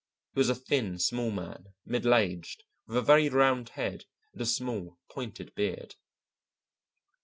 He was a thin, small man, middle aged, with a very round head and a small pointed beard.